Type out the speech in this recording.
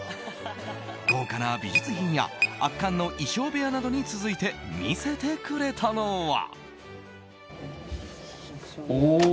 豪華な美術品や圧巻の衣装部屋などに続いて見せてくれたのは。